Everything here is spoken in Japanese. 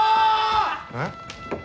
えっ？